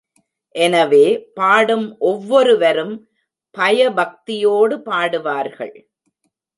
எனவே பாடும் ஒவ்வொருவரும் பய பக்தியோடு பாடுவார்கள்.